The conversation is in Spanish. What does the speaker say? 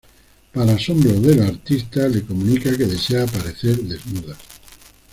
Para asombro del artista, le comunica que desea aparecer desnuda.